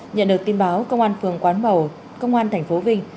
nhận được tin báo công an phường quán bầu công an thành phố vinh